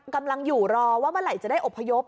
กำลังอยู่รอว่าเวลาจะได้อพยพ